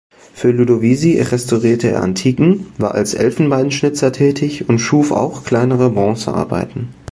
Für Ludovisi restaurierte er Antiken, war als Elfenbeinschnitzer tätig und schuf auch kleinere Bronzearbeiten.